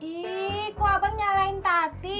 ih kok abang nyalain tati